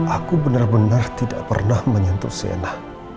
aku benar benar tidak pernah menyentuh zena